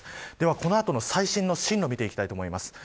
この後の最新の進路を見ていきたいと思います。